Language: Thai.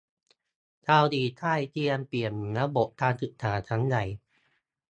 เกาหลีใต้เตรียมเปลี่ยนระบบการศึกษาครั้งใหญ่